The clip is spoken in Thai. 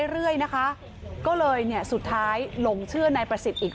เรื่อยนะคะก็เลยเนี่ยสุดท้ายหลงเชื่อนายประสิทธิ์อีก